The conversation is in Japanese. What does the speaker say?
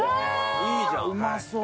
うまそう！